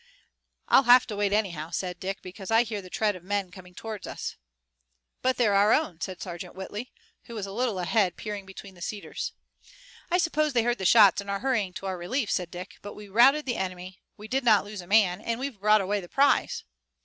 "I'll have to wait anyhow," said Dick, "because I hear the tread of men coming toward us." "But they're our own," said Sergeant Whitley, who was a little ahead, peering between the cedars. "I suppose they heard the shots and are hurrying to our relief," said Dick. "But we routed the enemy, we did not lose a man, and we've brought away the prize."